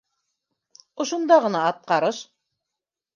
Ошонда ғына атҡарыш.